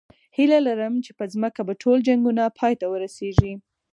هیله لرم چې په ځمکه به ټول جنګونه پای ته ورسېږي